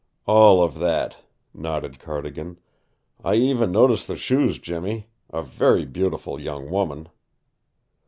"All of that," nodded Cardigan. "I even noticed the shoes, Jimmy. A very beautiful young woman!"